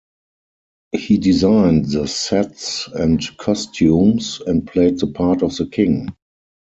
He designed the sets and costumes, and played the part of the King.